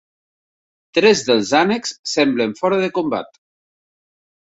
Tres dels ànecs semblen fora de combat.